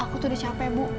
aku tuh udah capek bu